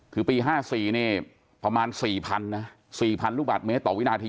คือปี๕๔นี่ประมาณ๔๐๐นะ๔๐๐ลูกบาทเมตรต่อวินาที